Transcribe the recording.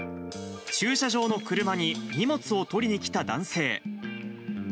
駐車場の車に荷物を取りに来た男性。